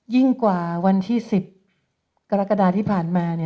ยิ่งกว่าวันที่๑๐กรกฎาที่ผ่านมา